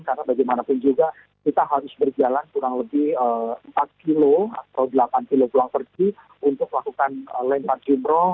karena bagaimanapun juga kita harus berjalan kurang lebih empat kilo atau delapan kilo pulang pergi untuk lakukan lempar jumroh